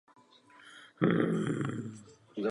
Tato říše se stala předchůdcem pozdější Svaté říše římské.